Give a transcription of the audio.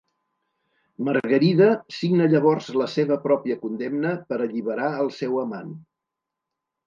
Margarida signa llavors la seva pròpia condemna per alliberar el seu amant.